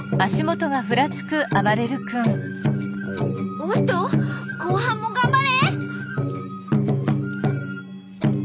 おっと後半も頑張れ！